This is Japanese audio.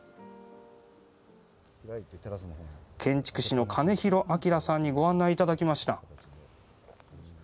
建築士の兼弘彰さんにご案内いただきました。